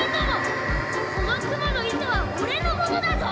この蜘蛛の糸は己のものだぞ。